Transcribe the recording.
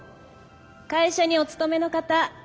会社にお勤めの方。